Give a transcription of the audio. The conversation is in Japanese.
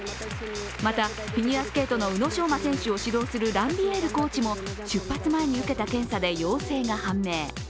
また、フィギュアスケートの宇野昌磨選手を指導するランビエールコーチも出発前に受けた検査で陽性が判明。